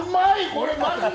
これマジで。